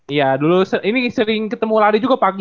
iya dulu ini sering ketemu lari juga pagi